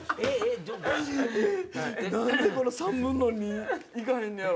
何で３分の２行かへんねやろ？